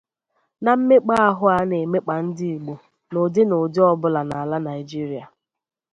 na mmekpaahụ a na-emekpà ndị Igbo n'ụdị n'ụdị ọbụla n'ala Nigeria.